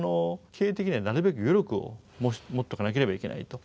経営的にはなるべく余力を持っとかなければいけないと。